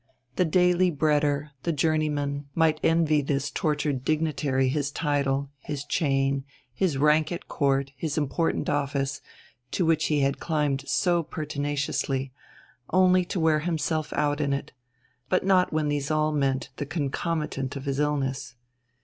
The daily breader, the journeyman, might envy this tortured dignitary his title, his chain, his rank at Court, his important office, to which he had climbed so pertinaciously, only to wear himself out in it: but not when these all meant the concomitant of his illness.